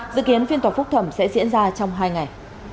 dự kiến phiên tòa phúc thẩm sẽ diễn ra trong hai ngày